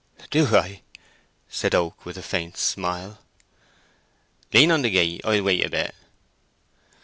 "Do I?" said Oak, with a faint smile. "Lean on the gate: I'll wait a bit."